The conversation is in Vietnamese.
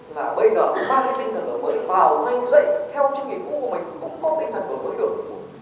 là bây giờ ba cái tinh thần mới vào ngay dậy theo chương trình nghề cũ của mình cũng có tinh thần mới được